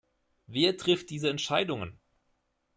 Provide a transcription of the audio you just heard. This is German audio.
Wer trifft diese Entscheidungen?